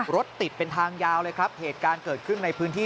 รถติดเป็นทางยาวเลยครับเหตุการณ์เกิดขึ้นในพื้นที่